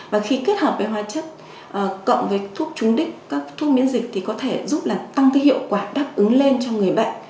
và khi kết hợp với hóa chất cộng với thuốc trung đích các thuốc miễn dịch thì có thể giúp là tăng cái hiệu quả đáp ứng lên cho người bệnh